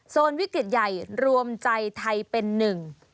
วิกฤตใหญ่รวมใจไทยเป็นหนึ่ง